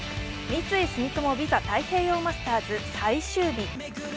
三井住友ＶＩＳＡ太平洋マスターズ最終日。